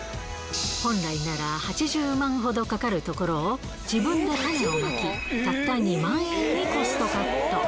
本来なら８０万ほどかかるところを、自分で種をまき、たった２万円にコストカット。